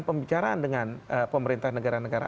pembicaraan dengan pemerintah negara negara